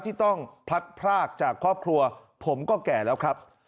ที่ต้องพลัดพรากจากครอบครัวผมก็แก่แล้วครับ